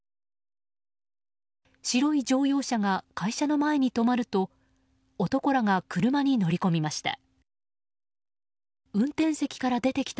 白い乗用車が会社の前に止まると男らが車に乗り込みました。